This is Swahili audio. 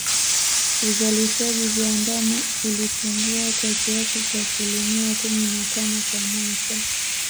Uzalishaji viwandani ulipungua kwa kiasi cha asilimia kumi na tano kwa mwaka